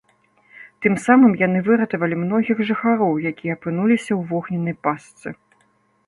Тым самым яны выратавалі многіх жыхароў, якія апынуліся ў вогненнай пастцы.